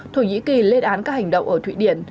thổ nhĩ kỳ lên án các hành động ở thụy điển